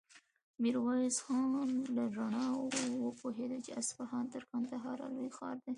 ميرويس خان له رڼاوو وپوهېد چې اصفهان تر کندهاره لوی ښار دی.